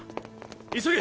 急げ！